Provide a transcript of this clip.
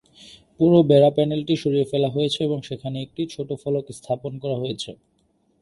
পুরো বেড়া-প্যানেলটি সরিয়ে ফেলা হয়েছে এবং সেখানে একটি ছোট ফলক স্থাপন করা হয়েছে।